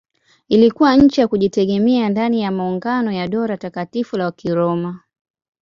Ilikuwa nchi ya kujitegemea ndani ya maungano ya Dola Takatifu la Kiroma.